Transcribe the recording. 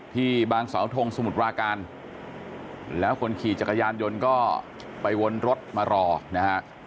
ที่บางสาวทงสมุทรปราการแล้วคนขี่จักรยานยนต์ก็ไปวนรถมารอนะฮะ